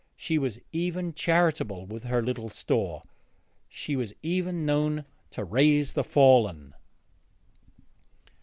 She was even charitable with her little store; she was even known to raise the fallen.